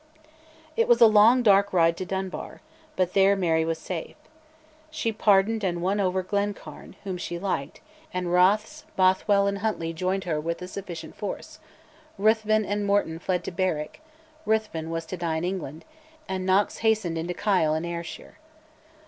It was a long dark ride to Dunbar, but there Mary was safe. She pardoned and won over Glencairn, whom she liked, and Rothes; Bothwell and Huntly joined her with a sufficient force, Ruthven and Morton fled to Berwick (Ruthven was to die in England), and Knox hastened into Kyle in Ayrshire.